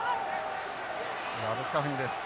ラブスカフニです。